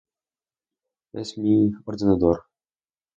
Es mi... ordenador.